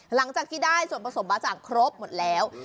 หลังจากที่ได้ส่วนผสมบ้าจ่างครบหมดแล้ว